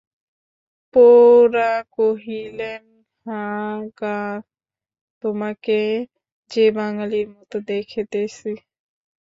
প্রৌঢ়া কহিলেন, হাঁ গা, তোমাকে যে বাঙালির মতো দেখিতেছি।